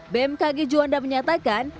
bmkg juanda menyatakan